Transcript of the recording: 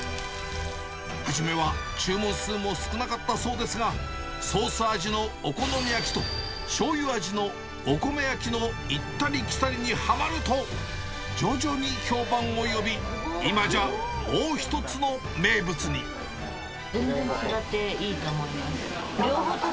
はじめは注文数も少なかったそうですが、ソース味のお好み焼きと、しょうゆ味のおこめ焼きのいったりきたりにはまると、徐々に評判全然違っていいと思います。